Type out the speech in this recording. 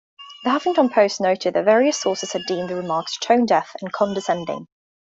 The Huffington Post noted that various sources had deemed the remarks "tone-deaf" and "condescending".